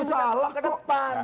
informasi lu salah ke depan